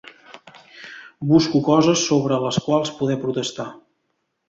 Busco coses sobre les quals poder protestar.